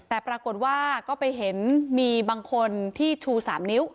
แต่ปรากฏว่าก็ไปเห็นมีบางคนที่ชู๓นิ้ว